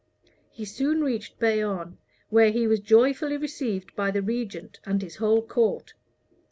He soon reached Bayonne, where he was joyfully received by the regent and his whole court.